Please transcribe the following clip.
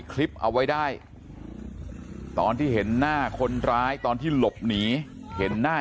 คลิปเอาไว้ได้ตอนที่เห็นหน้าคนร้ายตอนที่หลบหนีเห็นหน้า